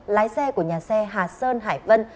lái xe của nhà xe hà sơn hải vân